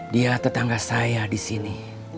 dia tetangga saya di sini